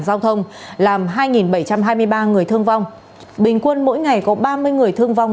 giao thông làm hai bảy trăm hai mươi ba người thương vong bình quân mỗi ngày có ba mươi người thương vong